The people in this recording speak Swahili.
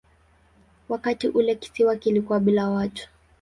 Wakati ule kisiwa kilikuwa bila watu.